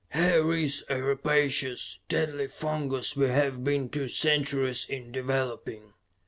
"Here is a rapacious, deadly fungus we have been two centuries in developing.